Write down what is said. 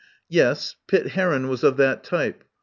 Yes Pitt Heron was of that type.